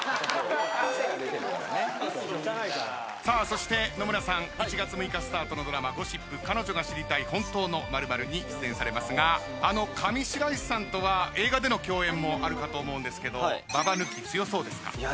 さあそして野村さん１月６日スタートのドラマ『ゴシップ＃彼女が知りたい本当の○○』に出演されますが上白石さんとは映画での共演もあるかと思うんですけどババ抜き強そうですか？